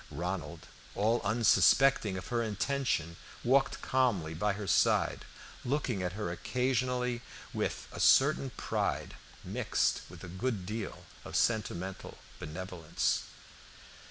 Ronald, all unsuspecting of her intention, walked calmly by her side, looking at her occasionally with a certain pride, mixed with a good deal of sentimental benevolence.